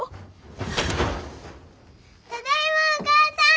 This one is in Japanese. ただいまお母さん！